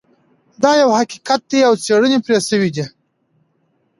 دا یو حقیقت دی او څیړنې پرې شوي دي